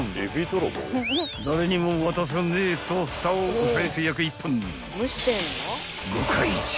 ［誰にも渡さねえとふたを押さえて］